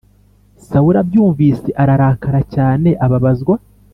Sawuli abyumvise ararakara cyane ababazwa